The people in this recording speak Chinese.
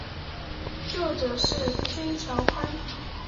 作者是椎桥宽。